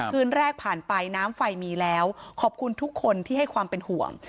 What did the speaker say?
คืนแรกผ่านไปน้ำไฟมีแล้วขอบคุณทุกคนที่ให้ความเป็นห่วง